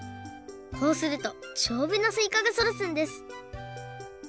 こうするとじょうぶなすいかがそだつんです。